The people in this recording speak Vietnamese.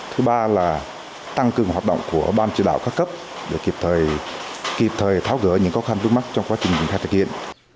thứ ba là tăng cường hoạt động của ban chỉ đạo các cấp để kịp thời tháo gỡ những khó khăn vứt mắt trong quá trình thực hiện